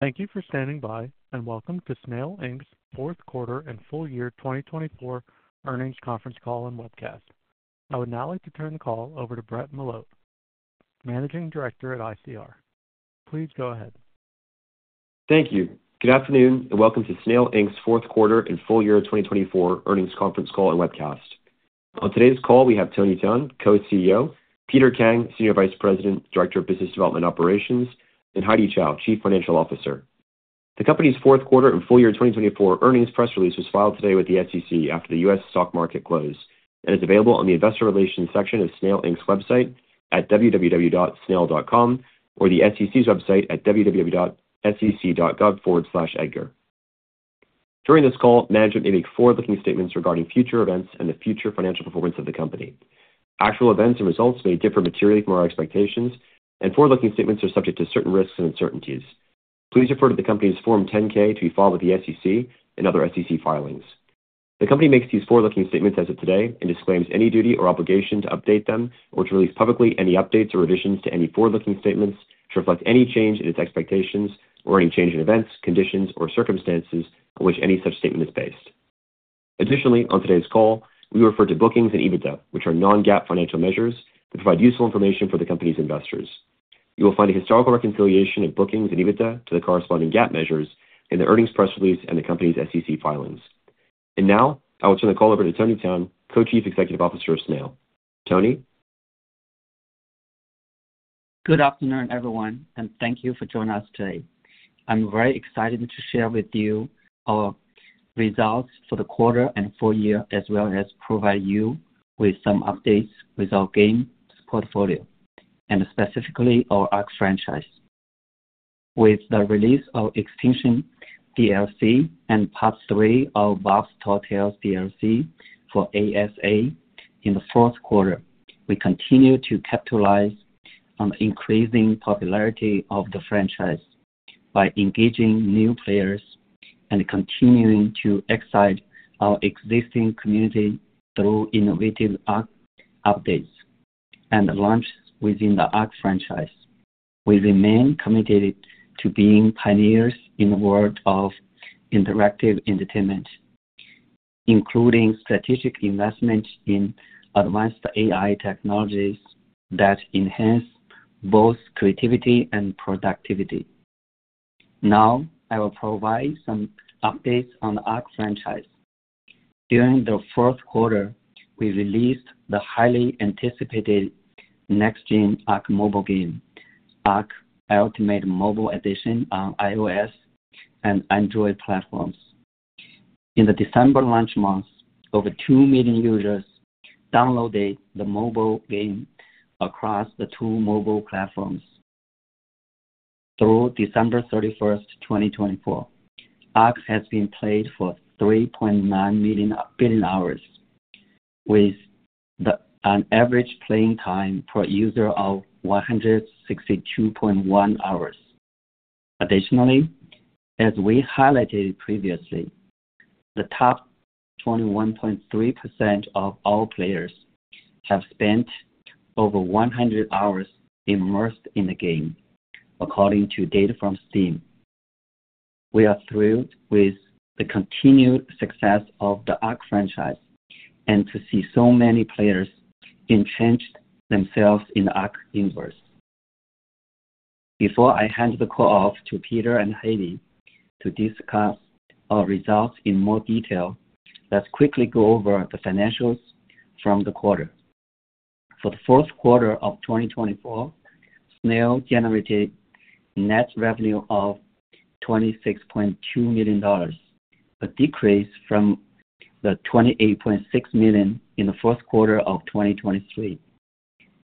Thank you for standing by, and welcome to Snail Inc.'s Q4 and full year 2024 Earnings Conference Call and webcast. I would now like to turn the call over to Brett Milotte, Managing Director at ICR. Please go ahead. Thank you. Good afternoon, and welcome to Snail's Q4 and full year 2024 earnings conference call and webcast. On today's call, we have Tony Tian, Co-CEO; Peter Kang, Senior Vice President, Director of Business Development Operations; and Heidy Chow, Chief Financial Officer. The company's Q4 and full year 2024 earnings press release was filed today with the SEC after the U.S. stock market closed and is available on the Investor Relations section of Snail's website at www.snail.com or the SEC's website at www.sec.gov/edgar. During this call, management may make forward-looking statements regarding future events and the future financial performance of the company. Actual events and results may differ materially from our expectations, and forward-looking statements are subject to certain risks and uncertainties. Please refer to the company's Form 10-K to be filed with the SEC and other SEC filings. The company makes these forward-looking statements as of today and disclaims any duty or obligation to update them or to release publicly any updates or revisions to any forward-looking statements to reflect any change in its expectations or any change in events, conditions, or circumstances on which any such statement is based. Additionally, on today's call, we refer to bookings and EBITDA, which are non-GAAP financial measures, to provide useful information for the company's investors. You will find a historical reconciliation of bookings and EBITDA to the corresponding GAAP measures in the earnings press release and the company's SEC filings. I will turn the call over to Tony Tian, Co-Chief Executive Officer of Snail. Tony? Good afternoon, everyone, and thank you for joining us today. I'm very excited to share with you our results for the quarter and full year, as well as provide you with some updates with our game portfolio and specifically our ARK franchise. With the release of Extinction DLC and Part 3 of Bob's Tall Tales DLC for ARK: Survival Ascended in the Q4, we continue to capitalize on the increasing popularity of the franchise by engaging new players and continuing to excite our existing community through innovative updates and launches within the ARK franchise. We remain committed to being pioneers in the world of interactive entertainment, including strategic investment in advanced AI technologies that enhance both creativity and productivity. Now, I will provide some updates on the ARK franchise. During the Q4, we released the highly anticipated next-gen ARK mobile game, ARK: Ultimate Mobile Edition, on iOS and Android platforms. In the December launch month, over 2 million users downloaded the mobile game across the two mobile platforms. Through December 31, 2024, ARK has been played for 3.9 million billion hours, with an average playing time per user of 162.1 hours. Additionally, as we highlighted previously, the top 21.3% of all players have spent over 100 hours immersed in the game, according to data from Steam. We are thrilled with the continued success of the ARK franchise and to see so many players entrench themselves in the ARK universe. Before I hand the call off to Peter and Heidy to discuss our results in more detail, let's quickly go over the financials from the quarter. For the Q4 of 2024, Snail generated net revenue of $26.2 million, a decrease from the $28.6 million in the Q4 of 2023.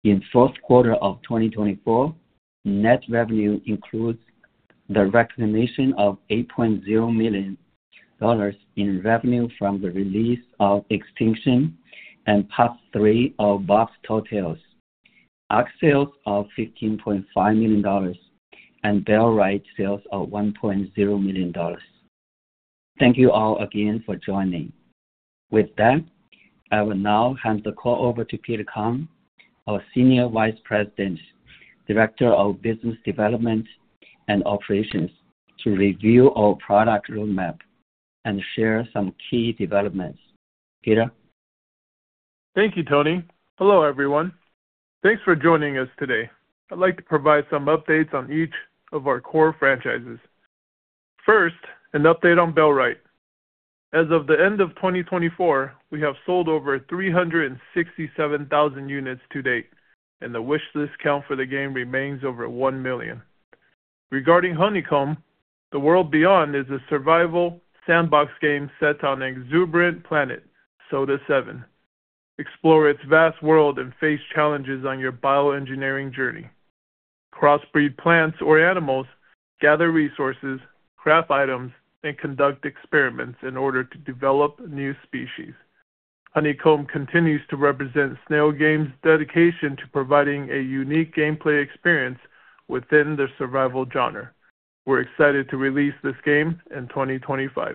In the Q4 of 2024, net revenue includes the recognition of $8.0 million in revenue from the release of Extinction and Part 3 of Box Tortoise, ARK sales of $15.5 million, and Bellwright sales of $1.0 million. Thank you all again for joining. With that, I will now hand the call over to Peter Kang, our Senior Vice President, Director of Business Development and Operations, to review our product roadmap and share some key developments. Peter. Thank you, Tony. Hello, everyone. Thanks for joining us today. I'd like to provide some updates on each of our core franchises. First, an update on Bellwright. As of the end of 2024, we have sold over 367,000 units to date, and the Wishlist count for the game remains over 1 million. Regarding Honeycomb: The World Beyond, it is a survival sandbox game set on an exuberant planet, Sota 7. Explore its vast world and face challenges on your bioengineering journey. Crossbreed plants or animals, gather resources, craft items, and conduct experiments in order to develop new species. Honeycomb continues to represent Snail's dedication to providing a unique gameplay experience within the survival genre. We're excited to release this game in 2025.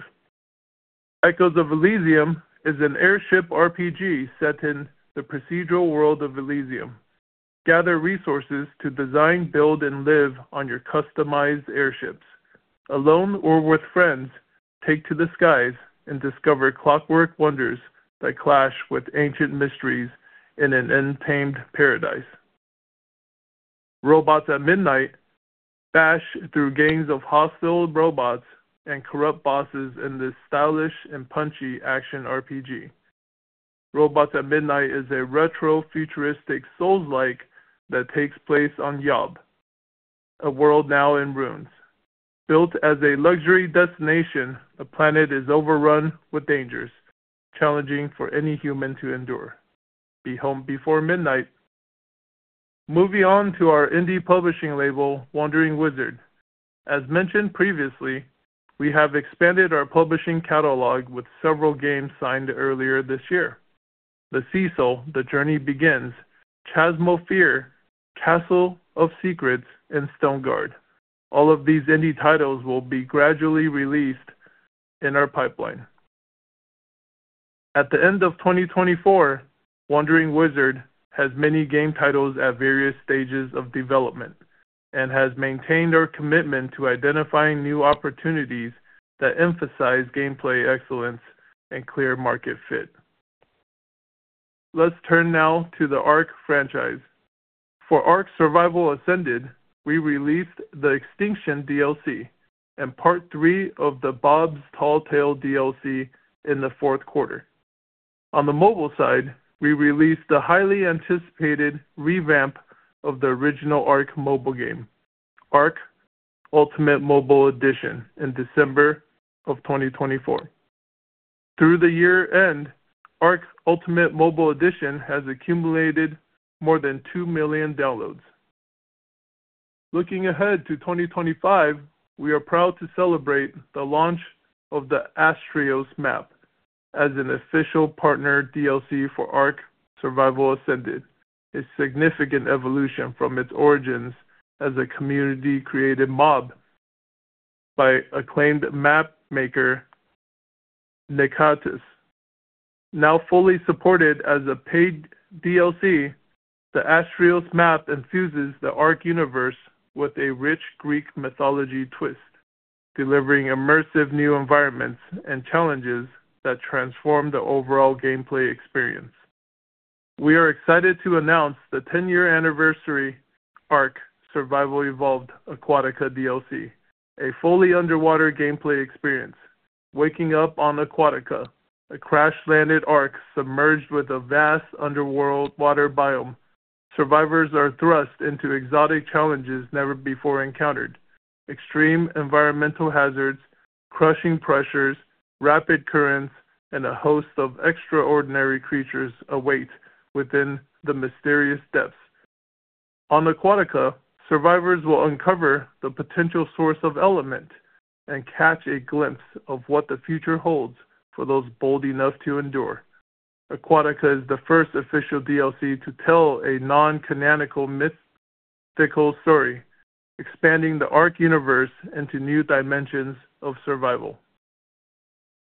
Echoes of Elysium is an airship RPG set in the procedural world of Elysium. Gather resources to design, build, and live on your customized airships. Alone or with friends, take to the skies and discover clockwork wonders that clash with ancient mysteries in an untamed paradise. Robots at Midnight bash through gangs of hostile robots and corrupt bosses in this stylish and punchy action RPG. Robots at Midnight is a retro-futuristic souls-like that takes place on Yob, a world now in ruins. Built as a luxury destination, the planet is overrun with dangers challenging for any human to endure. Be home before midnight. Moving on to our indie publishing label, Wandering Wizard. As mentioned previously, we have expanded our publishing catalog with several games signed earlier this year: The Seasol, The Journey Begins, Chasm of Fear, Castle of Secrets, and Stoneguard. All of these indie titles will be gradually released in our pipeline. At the end of 2024, Wandering Wizard has many game titles at various stages of development and has maintained our commitment to identifying new opportunities that emphasize gameplay excellence and clear market fit. Let's turn now to the ARK franchise. For ARK: Survival Ascended, we released the Extinction DLC and Part 3 of the Bob's Tall Tales DLC in the Q4. On the mobile side, we released the highly anticipated revamp of the original ARK mobile game, ARK: Ultimate Mobile Edition, in December of 2024. Through the year-end, ARK: Ultimate Mobile Edition has accumulated more than 2 million downloads. Looking ahead to 2025, we are proud to celebrate the launch of the Astraeus map as an official partner DLC for ARK: Survival Ascended, a significant evolution from its origins as a community-created mod by acclaimed map maker Nekatus. Now fully supported as a paid DLC, the Astraeus map infuses the ARK universe with a rich Greek mythology twist, delivering immersive new environments and challenges that transform the overall gameplay experience. We are excited to announce the 10-year anniversary ARK: Survival Evolved Aquatica DLC, a fully underwater gameplay experience. Waking up on Aquatica, a crash-landed ARK submerged with a vast underwater biome, survivors are thrust into exotic challenges never before encountered. Extreme environmental hazards, crushing pressures, rapid currents, and a host of extraordinary creatures await within the mysterious depths. On Aquatica, survivors will uncover the potential source of Element and catch a glimpse of what the future holds for those bold enough to endure. Aquatica is the first official DLC to tell a non-canonical mythical story, expanding the ARK universe into new dimensions of survival.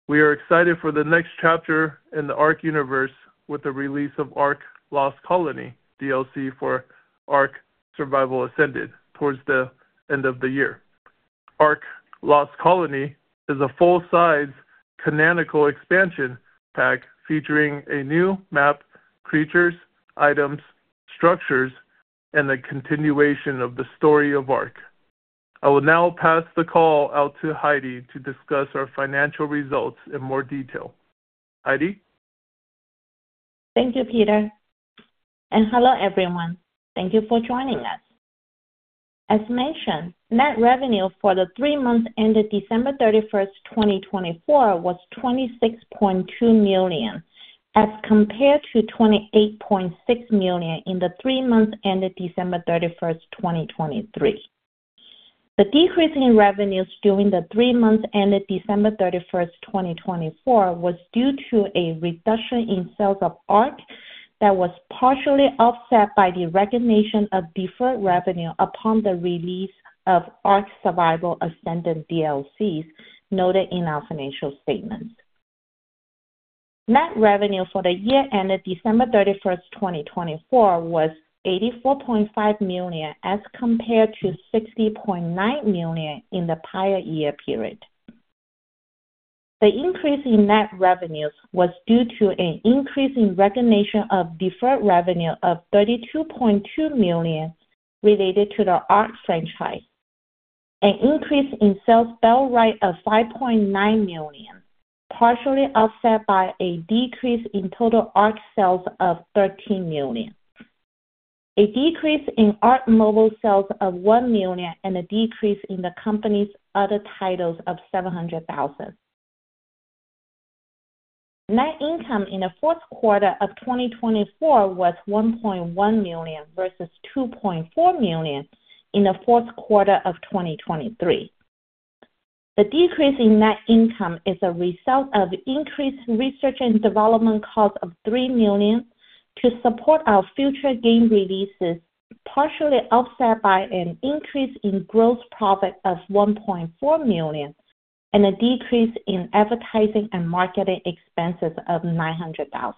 We are excited for the next chapter in the ARK universe with the release of ARK: Lost Colony DLC for ARK: Survival Ascended towards the end of the year. ARK: Lost Colony is a full-size canonical expansion pack featuring a new map, creatures, items, structures, and a continuation of the story of ARK. I will now pass the call out to Heidy to discuss our financial results in more detail. Heidy? Thank you, Peter. Hello, everyone. Thank you for joining us. As mentioned, net revenue for the three months ended December 31, 2024, was $26.2 million as compared to $28.6 million in the three months ended December 31, 2023. The decrease in revenues during the three months ended December 31, 2024, was due to a reduction in sales of ARK that was partially offset by the recognition of deferred revenue upon the release of ARK: Survival Ascended DLCs noted in our financial statements. Net revenue for the year ended December 31, 2024, was $84.5 million as compared to $60.9 million in the prior year period. The increase in net revenues was due to an increase in recognition of deferred revenue of $32.2 million related to the ARK franchise, an increase in sales of Bellwright of $5.9 million, partially offset by a decrease in total ARK sales of $13 million, a decrease in ARK mobile sales of $1 million, and a decrease in the company's other titles of $700,000. Net income in the Q4 of 2024 was $1.1 million versus $2.4 million in the Q4 of 2023. The decrease in net income is a result of increased research and development costs of $3 million to support our future game releases, partially offset by an increase in gross profit of $1.4 million and a decrease in advertising and marketing expenses of $900,000.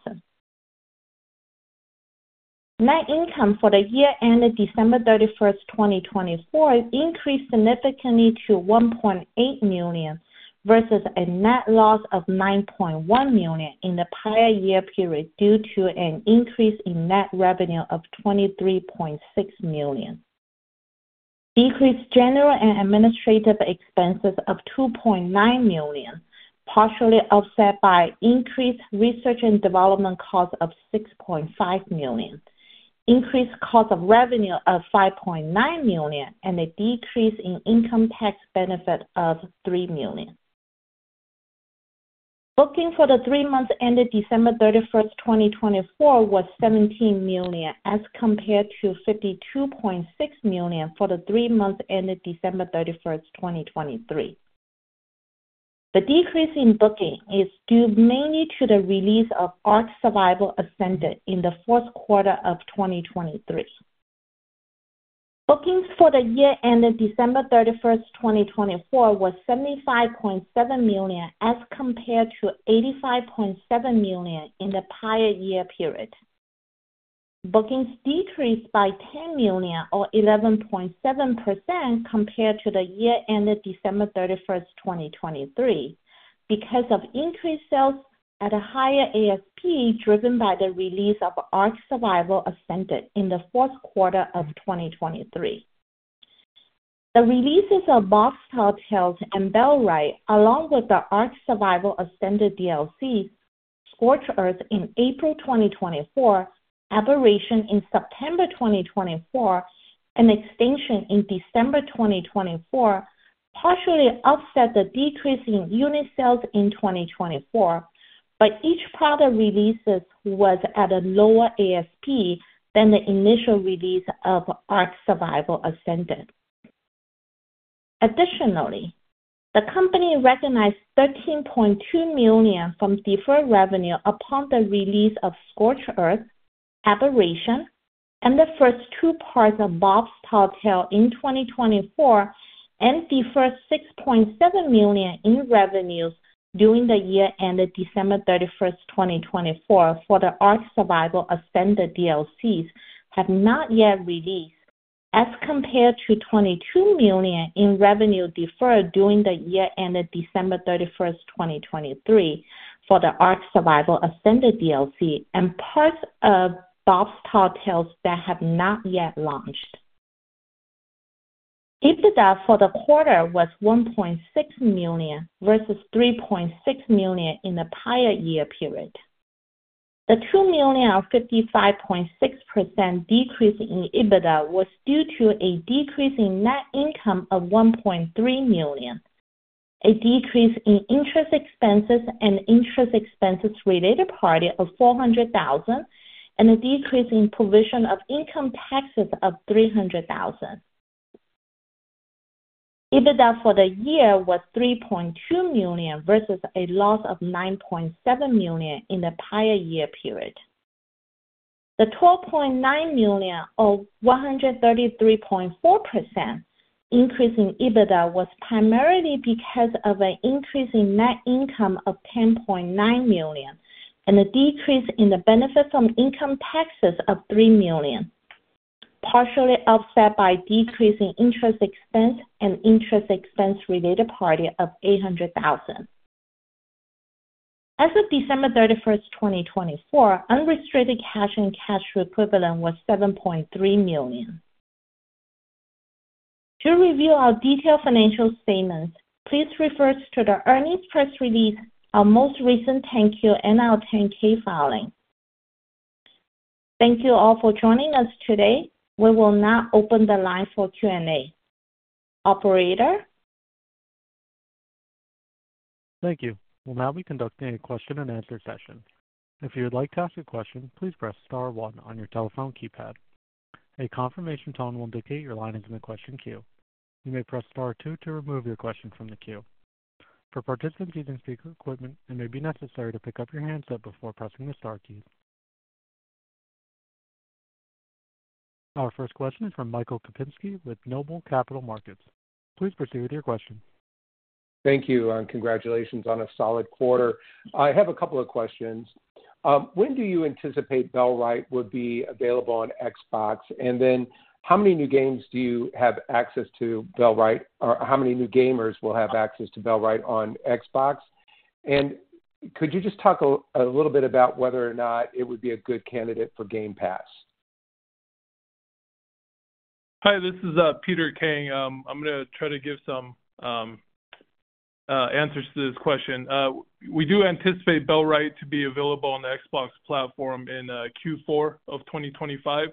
Net income for the year ended December 31, 2024, increased significantly to $1.8 million versus a net loss of $9.1 million in the prior year period due to an increase in net revenue of $23.6 million. Decreased general and administrative expenses of $2.9 million, partially offset by increased research and development costs of $6.5 million, increased cost of revenue of $5.9 million, and a decrease in income tax benefit of $3 million. Bookings for the three months ended December 31, 2024, was $17 million as compared to $52.6 million for the three months ended December 31, 2023. The decrease in bookings is due mainly to the release of ARK: Survival Ascended in the Q4 of 2023. Bookings for the year ended December 31, 2024, was $75.7 million as compared to $85.7 million in the prior year period. Bookings decreased by $10 million, or 11.7%, compared to the year ended December 31, 2023, because of increased sales at a higher ASP driven by the release of ARK: Survival Ascended in the Q4 of 2023. The releases of Bob's Tall Tales and Bellwright, along with the ARK: Survival Ascended DLC, Scorched Earth in April 2024, Aberration in September 2024, and Extinction in December 2024 partially offset the decrease in unit sales in 2024, but each product release was at a lower ASP than the initial release of ARK: Survival Ascended. Additionally, the company recognized $13.2 million from deferred revenue upon the release of Scorched Earth, Aberration, and the first two parts of Bob's Tall Tales in 2024, and deferred $6.7 million in revenues during the year ended December 31, 2024, for the ARK: Survival Ascended DLCs that have not yet released as compared to $22 million in revenue deferred during the year ended December 31, 2023, for the ARK: Survival Ascended DLC and parts of Bob's Tall Tales that have not yet launched. EBITDA for the quarter was $1.6 million versus $3.6 million in the prior year period. The $2.5, 55.6% decrease in EBITDA was due to a decrease in net income of $1.3 million, a decrease in interest expenses and interest expenses related party of $400,000, and a decrease in provision of income taxes of $300,000. EBITDA for the year was $3.2 million versus a loss of $9.7 million in the prior year period. The $12.9 million, or 133.4%, increase in EBITDA was primarily because of an increase in net income of $10.9 million and a decrease in the benefit from income taxes of $3 million, partially offset by decrease in interest expense and interest expense related party of $800,000. As of December 31, 2024, unrestricted cash and cash equivalent was $7.3 million. To review our detailed financial statements, please refer to the earnings press release, our most recent 10-Q, and our 10-K filing. Thank you all for joining us today. We will now open the line for Q&A. Operator? Thank you. We'll now be conducting a question-and-answer session. If you would like to ask a question, please press star one on your telephone keypad. A confirmation tone will indicate your line is in the question queue. You may press star two to remove your question from the queue. For participants using speaker equipment, it may be necessary to pick up your handset before pressing the star keys. Our first question is from Michael Kupinski with Noble Capital Markets. Please proceed with your question. Thank you. Congratulations on a solid quarter. I have a couple of questions. When do you anticipate Bellwright would be available on Xbox? How many new games do you have access to Bellwright, or how many new gamers will have access to Bellwright on Xbox? Could you just talk a little bit about whether or not it would be a good candidate for Game Pass? Hi, this is Peter Kang. I'm going to try to give some answers to this question. We do anticipate Bellwright to be available on the Xbox platform in Q4 of 2025.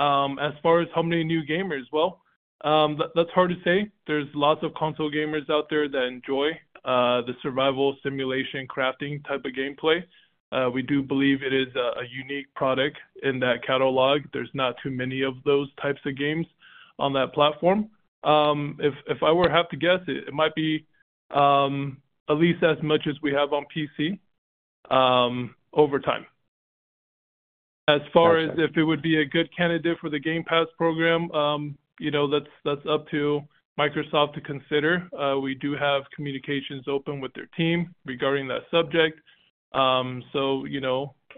As far as how many new gamers, that's hard to say. There's lots of console gamers out there that enjoy the survival simulation crafting type of gameplay. We do believe it is a unique product in that catalog. There's not too many of those types of games on that platform. If I were to have to guess, it might be at least as much as we have on PC over time. As far as if it would be a good candidate for the Game Pass program, that's up to Microsoft to consider. We do have communications open with their team regarding that subject.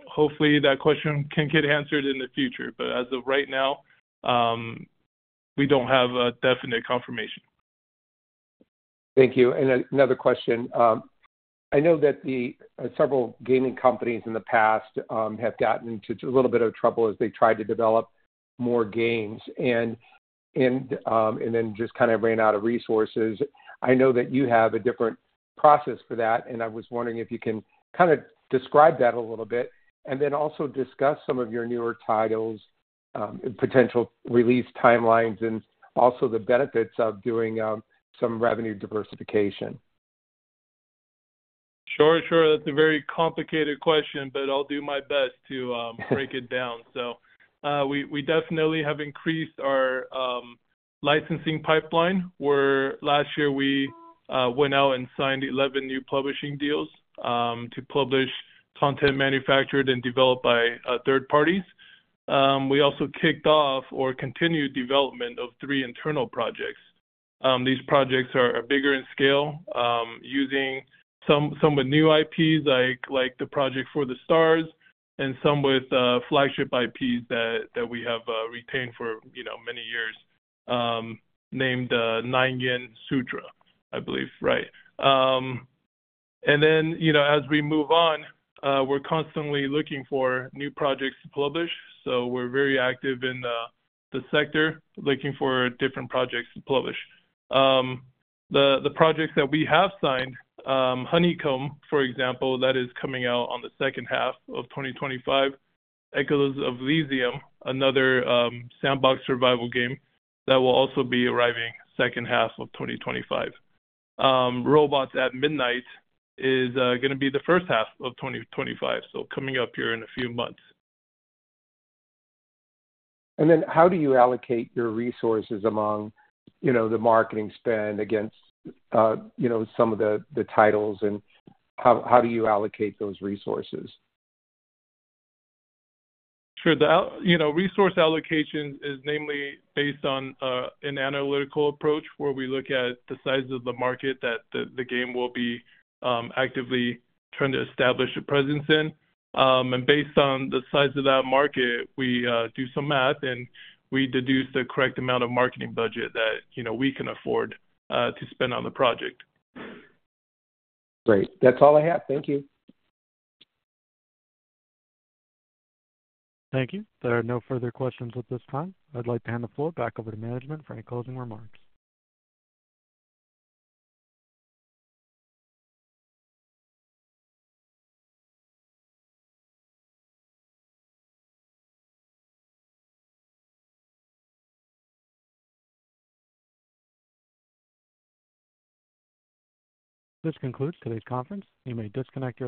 Hopefully that question can get answered in the future. As of right now, we don't have a definite confirmation. Thank you. Another question. I know that several gaming companies in the past have gotten into a little bit of trouble as they tried to develop more games and then just kind of ran out of resources. I know that you have a different process for that, and I was wondering if you can kind of describe that a little bit and then also discuss some of your newer titles, potential release timelines, and also the benefits of doing some revenue diversification. Sure, sure. That's a very complicated question, but I'll do my best to break it down. We definitely have increased our licensing pipeline. Last year, we went out and signed 11 new publishing deals to publish content manufactured and developed by third parties. We also kicked off or continued development of three internal projects. These projects are bigger in scale, using some with new IPs like the project For the Stars and some with flagship IPs that we have retained for many years, named Nine Yin Sutra, I believe. Right. As we move on, we're constantly looking for new projects to publish. We're very active in the sector looking for different projects to publish. The projects that we have signed, Honeycomb, for example, that is coming out on the second half of 2025. Echoes of Elysium, another sandbox survival game that will also be arriving second half of 2025. Robots at Midnight is going to be the first half of 2025, so coming up here in a few months. How do you allocate your resources among the marketing spend against some of the titles? How do you allocate those resources? Sure. The resource allocation is mainly based on an analytical approach, where we look at the size of the market that the game will be actively trying to establish a presence in. Based on the size of that market, we do some math and we deduce the correct amount of marketing budget that we can afford to spend on the project. Great. That's all I have. Thank you. Thank you. There are no further questions at this time. I'd like to hand the floor back over to management for any closing remarks. This concludes today's conference. You may disconnect.